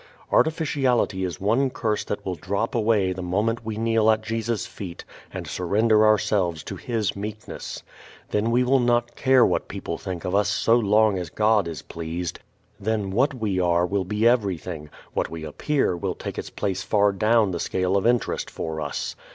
Artificiality is one curse that will drop away the moment we kneel at Jesus' feet and surrender ourselves to His meekness. Then we will not care what people think of us so long as God is pleased. Then what we are will be everything; what we appear will take its place far down the scale of interest for us.